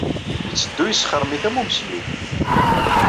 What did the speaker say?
Yetteddu yesxermit am umeslub.